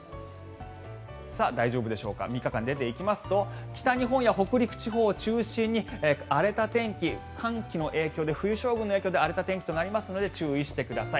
大丈夫でしょうか３日間見ていきますと北日本や北陸地方中心に荒れた天気寒気の影響で、冬将軍の影響で荒れた天気となりますので注意してください。